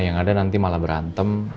yang ada nanti malah ber affectalam essa